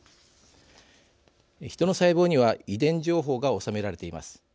ヒトの細胞には遺伝情報が収められています。